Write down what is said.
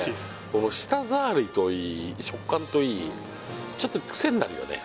この舌触りといい食感といいちょっとクセになるよね